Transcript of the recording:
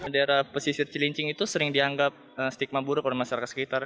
daerah pesisir cilincing itu sering dianggap stigma buruk oleh masyarakat sekitar